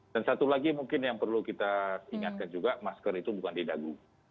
dan satu lagi mungkin yang perlu kita ingatkan juga masker itu bukan didagu